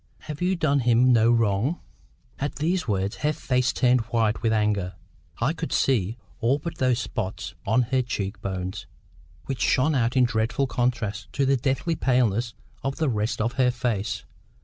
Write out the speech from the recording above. Have you done him no wrong?" At these words, her face turned white—with anger, I could see—all but those spots on her cheek bones, which shone out in dreadful contrast to the deathly paleness of the rest of her face.